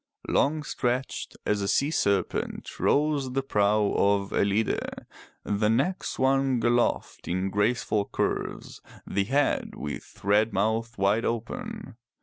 Long stretched as a sea serpent rose the prow of Ellide, the neck swung aloft in graceful curves, the head with red mouth wide open.